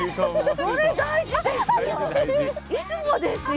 それ大事ですよ！